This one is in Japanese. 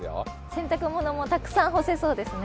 洗濯物もたくさん干せそうですね。